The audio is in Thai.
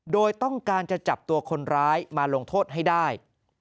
โดยต้องการจะจับตัวคนร้ายมาลงโทษให้ได้